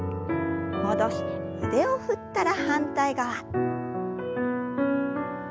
戻して腕を振ったら反対側。